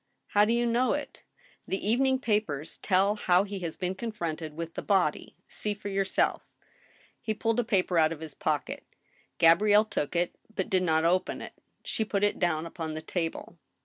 " How do you know it ?"" The evening papers tell how he has been confronted with the body. See for yourself." He pulled a paper out of his pocket Gabrielle took it, but did not open it. She put it down upon the table.